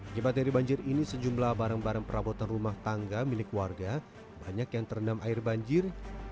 kibat dari banjir ini sejumlah barang barang perabotan rumah tangga milik warga banyak yang terendam air banjir